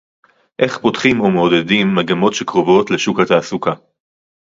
איך פותחים או מעודדים מגמות שקרובות לשוק התעסוקה